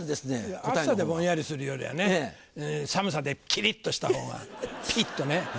暑さでぼんやりするよりはね寒さでキリっとしたほうがピッとね。